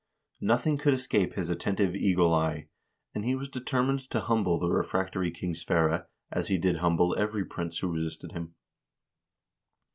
Nothing could escape his attentive eagle eye, and he was determined to hum ble the refractory King Sverre, as he did humble every prince who resisted him.